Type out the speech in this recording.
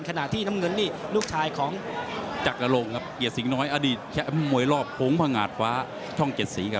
ขณะที่น้ำเงินนี่ลูกชายของจักรลงครับเกียรติสิงหน้อยอดีตแชมป์มวยรอบโค้งพงาดฟ้าช่องเจ็ดสีครับ